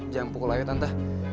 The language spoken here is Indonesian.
jangan pukul ayu tante